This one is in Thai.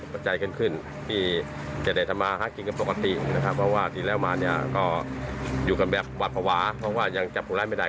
เพราะว่ายังจับปลูกร้ายไม่ได้